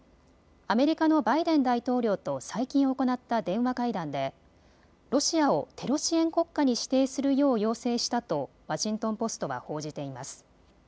アメリカのバイデン大統領と最近行った電話会談でロシアをテロ支援国家に指定するよう要請したとワシントン・ポストは報じています。